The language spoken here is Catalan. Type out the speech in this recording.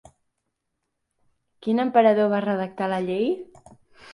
Quin emperador va redactar la llei?